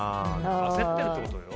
焦っているってことよ。